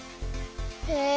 へえ。